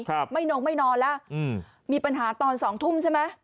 ครับไม่นงไม่นอนแล้วอืมมีปัญหาตอนสองทุ่มใช่ไหม